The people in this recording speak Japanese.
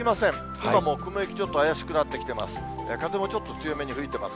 今も雲行き、ちょっと怪しくなってきてます。